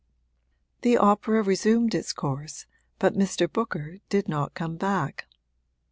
The opera resumed its course, but Mr. Booker did not come back.